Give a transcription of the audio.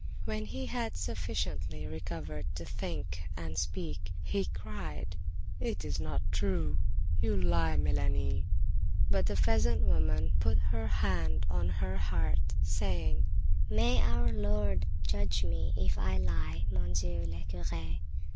When he had sufficiently recovered to think and speak he cried: "It is not true; you lie, Melanie!" But the peasant woman put her hand on her heart, saying: "May our Lord judge me if I lie, Monsieur le Cure!